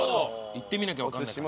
行ってみなきゃわかんないか。